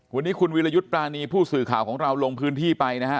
วันนี้คุณวิรยุทธ์ปรานีผู้สื่อข่าวของเราลงพื้นที่ไปนะฮะ